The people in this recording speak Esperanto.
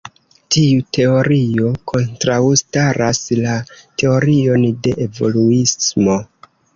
Tiu teorio kontraŭstaras la teorion de evoluismo.